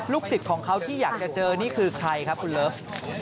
สิทธิ์ของเขาที่อยากจะเจอนี่คือใครครับคุณเลิฟ